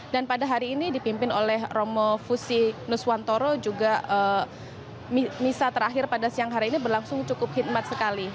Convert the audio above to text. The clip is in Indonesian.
dan pada hari ini dipimpin oleh romo fusi nuswantoro juga misa terakhir pada siang hari ini berlangsung cukup khidmat sekali